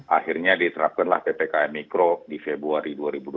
akhirnya diterapkanlah ppkm mikro di februari dua ribu dua puluh